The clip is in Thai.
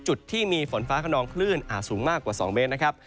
จุดที่มีฝนฟ้าขนองคลื่นอาจสูงมากกว่า๒เมตรนะครับ